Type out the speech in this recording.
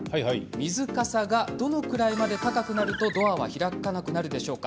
水かさがどのくらいまで高くなるとドアは開かなくなるでしょうか？